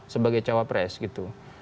sebagai cawapres gitu